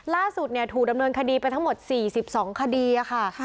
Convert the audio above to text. ล่าสุดถูกดำเนินคดีไปทั้งหมด๔๒คดีค่ะ